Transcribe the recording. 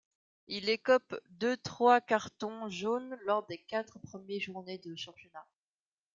Il écope de trois cartons jaunes lors des quatre premières journées de championnat.